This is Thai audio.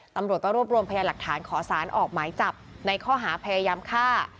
ตำรวจก็รวบรวมพยานหลักฐานขอสารออกหมายจับในข้อหาพยายามฆ่า